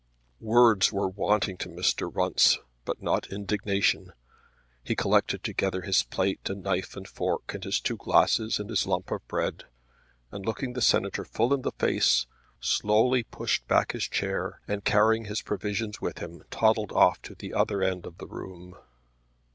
Words were wanting to Mr. Runce, but not indignation. He collected together his plate and knife and fork and his two glasses and his lump of bread, and, looking the Senator full in the face, slowly pushed back his chair and, carrying his provisions with him, toddled off to the other end of the room.